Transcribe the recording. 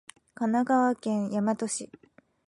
神奈川県大和市